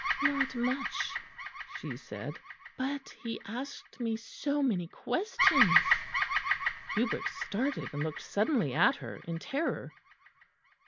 "Not much," she said, "but he asked me so many questions." Hubert started and looked suddenly at her, in terror.